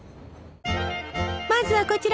まずはこちら！